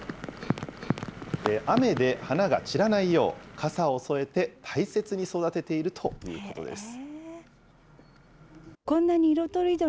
雨で花が散らないよう、傘を添えて大切に育てているということです。